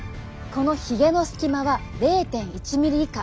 このひげの隙間は０．１ｍｍ以下。